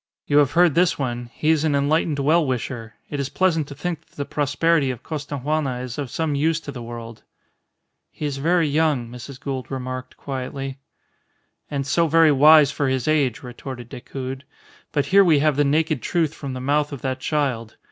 "You have heard this one. He is an enlightened well wisher. It is pleasant to think that the prosperity of Costaguana is of some use to the world." "He is very young," Mrs. Gould remarked, quietly. "And so very wise for his age," retorted Decoud. "But here we have the naked truth from the mouth of that child.